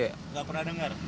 nggak pernah dengar